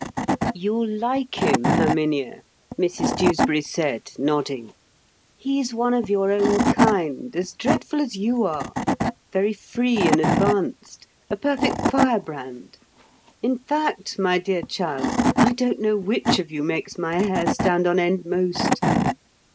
"You'll like him, Herminia," Mrs Dewsbury said, nodding. "He's one of your own kind, as dreadful as you are; very free and advanced; a perfect firebrand. In fact, my dear child, I don't know which of you makes my hair stand on end most."